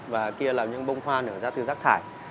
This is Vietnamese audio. và kia là những bông hoa nữa ra từ rác thải